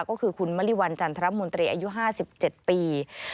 ก็คือคุณมริวัลจันทรมนตรีอายุ๕๗ปี